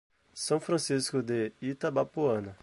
São Francisco de Itabapoana